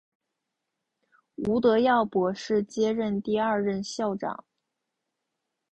吴德耀博士接任第二任校长。